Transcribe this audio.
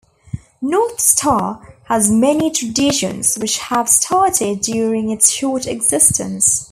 North Star has many traditions which have started during its short existence.